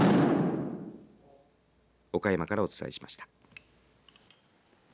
岡山からお伝えしました。